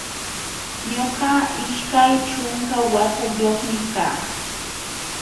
Ñuqa ishkay ćhunka watayuqmi kaa